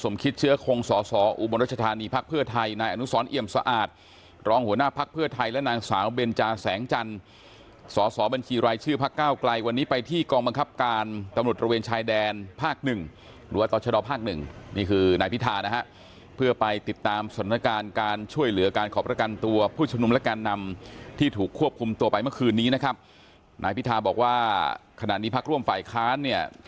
เมื่อคืนนี้นะครับนายพิทาบอกว่าขณะนี้ภาคร่วมฝ่ายค้านเนี่ย